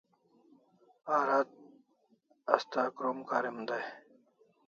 A rat asta krom karim day